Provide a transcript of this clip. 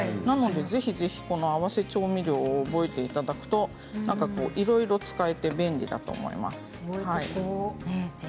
なのでぜひぜひ、この合わせ調味料を覚えていただくといろいろ使えて便利だと思います。